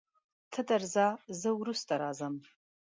ته درځه زه وروسته راځم.